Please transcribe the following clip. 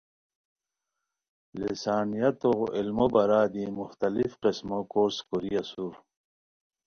لسانیتو علمو بارا دی مختلف قسمو کورس کوری اسور